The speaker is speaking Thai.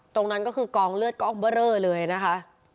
ตรงนั้นก็คือกองเลือดกองเบอร์เรอเลยนะคะ